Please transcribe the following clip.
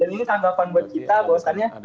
dan ini tanggapan buat kita bahwasanya